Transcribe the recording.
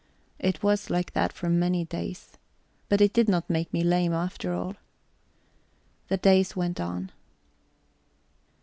It was like that for many days. But it did not make me lame, after all. The days went on.